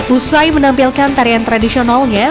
usai menampilkan tarian tradisionalnya